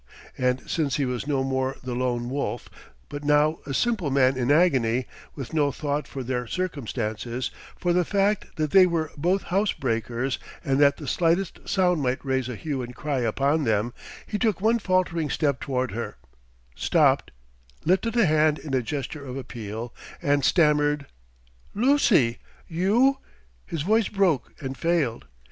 And since he was no more the Lone Wolf, but now a simple man in agony, with no thought for their circumstances for the fact that they were both house breakers and that the slightest sound might raise a hue and cry upon them he took one faltering step toward her, stopped, lifted a hand in a gesture of appeal, and stammered: "Lucy you " His voice broke and failed.